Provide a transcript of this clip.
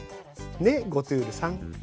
ねゴトゥールさん。